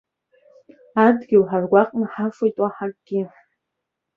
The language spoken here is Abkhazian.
Адгьыл ҳаргәаҟны ҳафоит, уаҳа акгьы.